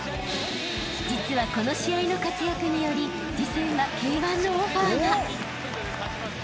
［実はこの試合の活躍により次戦はＫ−１のオファーが］